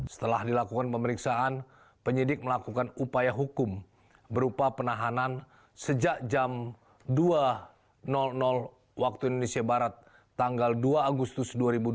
setelah dilakukan pemeriksaan penyidik melakukan upaya hukum berupa penahanan sejak jam dua waktu indonesia barat tanggal dua agustus dua ribu dua puluh